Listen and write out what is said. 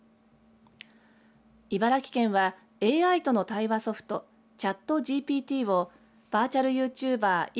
茨城県は、ＡＩとの対話ソフトＣｈａｔＧＰＴをバーチャルユーチューバー茨